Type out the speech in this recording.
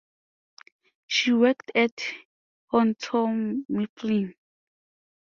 She worked at Houghton Mifflin.